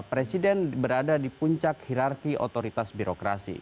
presiden berada di puncak hirarki otoritas birokrasi